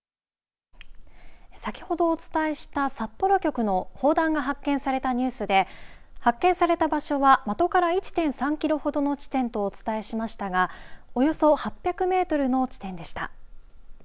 先ほどお伝えした札幌局の砲弾が発見されたニュースで発見された場所は的から１．３キロほどの地点とお伝えしましたがおよそ８００メートルの地点でした。